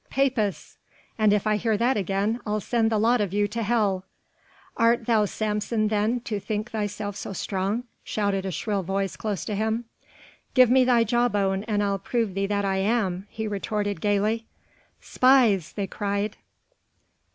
"Papists!" "And if I hear that again I'll send the lot of you to hell." "Art thou Samson then, to think thyself so strong?" shouted a shrill voice close to him. "Give me thy jawbone and I'll prove thee that I am," he retorted gaily. "Spies!" they cried.